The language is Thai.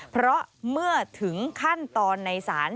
เพราะเมื่อถึงขั้นตอนในศาล